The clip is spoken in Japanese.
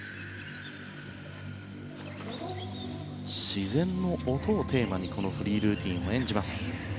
自然の音をテーマにフリールーティンを演じます。